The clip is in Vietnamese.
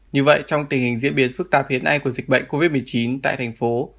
như vậy trong tình hình diễn biến phức tạp hiện nay của dịch bệnh covid một mươi chín tại thành phố